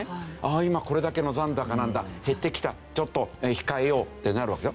今これだけの残高なんだ減ってきたちょっと控えようってなるわけでしょ。